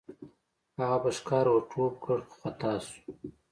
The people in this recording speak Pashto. هغه په ښکار ور ټوپ کړ خو خطا شو.